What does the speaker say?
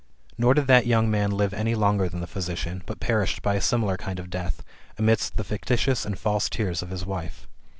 Nor did that young man live any longer than the physician, but perished by a similar kind of death, amidst the fictitious and false tears of his wife.